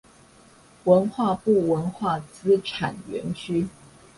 文化部文化資產園區